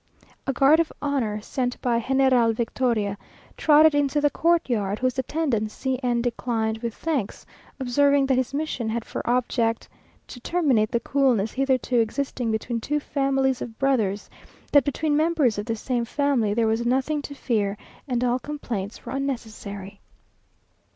A guard of honour sent by General Victoria, trotted into the courtyard, whose attendance C n declined with thanks, observing that his mission had for object to terminate the coolness hitherto existing between two families of brothers; that between members of the same family there was nothing to fear, and all compliments were unnecessary.